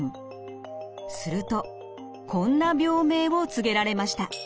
するとこんな病名を告げられました。